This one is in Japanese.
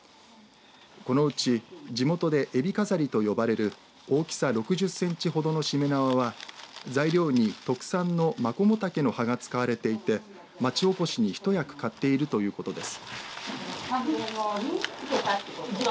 このうち、地元でエビ飾りと呼ばれる大きさ６０センチほどのしめ縄は材料に特産のマコモタケの葉が使われていて町おこしに、ひと役買っているということです。